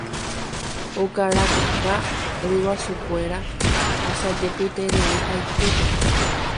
Okarakaka ryguasukuéra asajepyterei haitýpe.